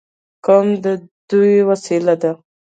قوم د دوی وسیله ده.